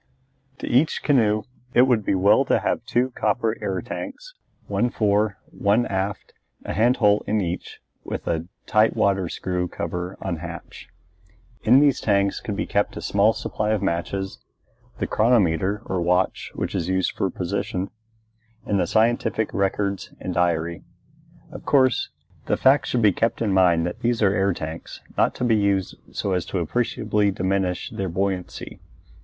To each canoe it would be well to have two copper air tanks, one fore, one aft, a hand hole in each with a water tight screw cover on hatch. In these tanks could be kept a small supply of matches, the chronometer or watch which is used for position, and the scientific records and diary. Of course, the fact should be kept in mind that these are air tanks, not to be used so as to appreciably diminish their buoyancy.